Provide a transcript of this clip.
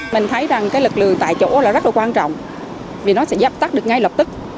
mình thấy rằng cái lực lượng tại chỗ là rất là quan trọng vì nó sẽ dập tắt được ngay lập tức